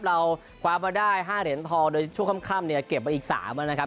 เราคว้ามาได้๕เหรียญทองโดยช่วงค่ำเนี่ยเก็บมาอีก๓นะครับ